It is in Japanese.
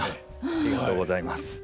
ありがとうございます。